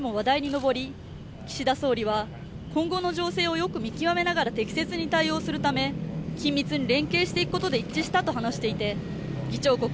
のぼり岸田総理は今後の情勢をよく見極めながら適切に対応するため緊密に連携していくことで一致したと話していて議長国